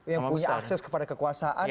yang punya akses kepada kekuasaan